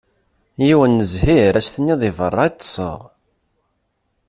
Yiwen n zzhir ad s-tiniḍ deg berra i ṭṭseɣ.